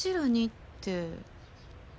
って。